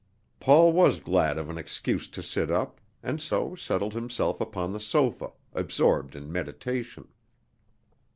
Paul was glad of an excuse to sit up, and so settled himself upon the sofa, absorbed in meditation.